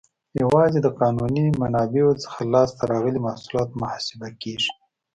یوازې د قانوني منابعو څخه لاس ته راغلي محصولات محاسبه کیږي.